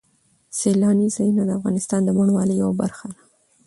سیلاني ځایونه د افغانستان د بڼوالۍ یوه برخه ده.